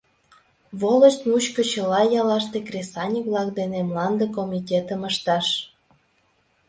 — Волость мучко чыла яллаште кресаньык-влак дене мланде комитетым ышташ.